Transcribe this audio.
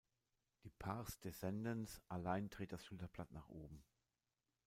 Die "Pars descendens" allein dreht das Schulterblatt nach oben.